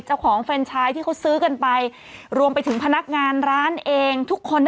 เจ้าของแฟนชายที่เขาซื้อกันไปรวมไปถึงพนักงานร้านเอง